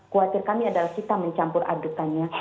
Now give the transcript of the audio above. khawatir kami adalah kita mencampur adukannya